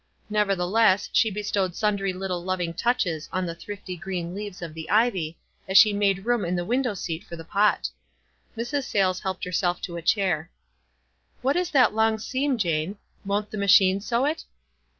Nevertheless she bestowed sundry little lov ing touches on the thrifty green leaves of the ivy, as she made room in the window seat for the pot. Mrs. Sayles helped herself to a chair. "What is that long seam, Jane? won't the machine sew it?"